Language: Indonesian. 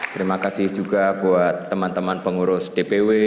terima kasih juga buat teman teman pengurus dpw